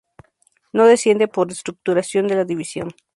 No desciende por Reestructuración de la División.